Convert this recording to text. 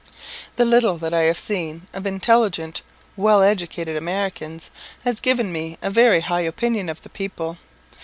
The little that I have seen of intelligent, well educated Americans, has given me a very high opinion of the people.